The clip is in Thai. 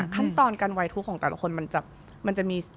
ขั้นตอนการไวทุกข์ของแต่ละคนมันจะมี